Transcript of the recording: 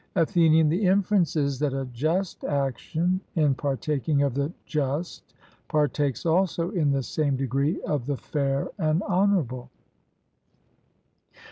ATHENIAN: The inference is, that a just action in partaking of the just partakes also in the same degree of the fair and honourable.